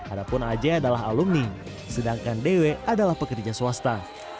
adapun aj adalah alumni sedangkan dw adalah pekerja swasta